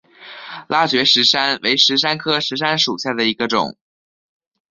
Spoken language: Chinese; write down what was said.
拉觉石杉为石杉科石杉属下的一个种。